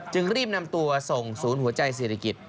จึงรีบนำตัวส่งศูนย์หัวใจศิริกิจ